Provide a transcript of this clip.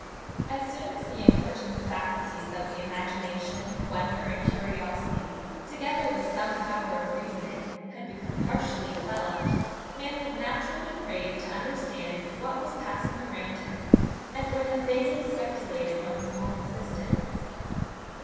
As soon as the important faculties of the imagination, wonder, and curiosity, together with some power of reasoning, had become partially developed, man would naturally crave to understand what was passing around him, and would have vaguely speculated on his own existence.